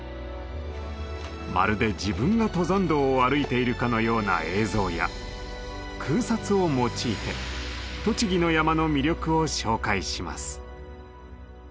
まるで自分が登山道を歩いているかのような映像や空撮を用いて栃木の山の魅力を紹介します。